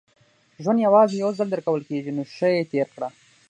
• ژوند یوازې یو ځل درکول کېږي، نو ښه یې تېر کړه.